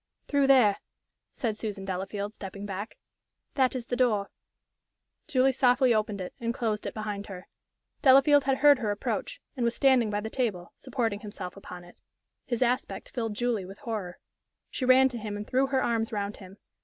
"Through there," said Susan Delafield, stepping back. "That is the door." [Illustration: "SHE FOUND HERSELF KNEELING BESIDE HIM"] Julie softly opened it, and closed it behind her. Delafield had heard her approach, and was standing by the table, supporting himself upon it. His aspect filled Julie with horror. She ran to him and threw her arms round him.